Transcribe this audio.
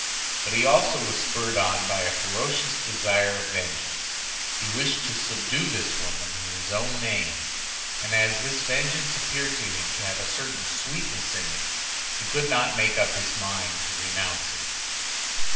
But he also was spurred on by a ferocious desire of vengeance. He wished to subdue this woman in his own name; and as this vengeance appeared to him to have a certain sweetness in it, he could not make up his mind to renounce it.